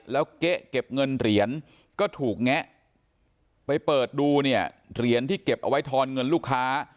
แล้วเก๊ะเก็บเงินเหรียญก็ถูกแงะไปเปิดดูเนี่ยเหรียญที่เก็บเอาไว้ทอนเงินลูกค้า